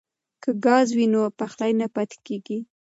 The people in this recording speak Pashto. که ګاز وي نو پخلی نه پاتې کیږي.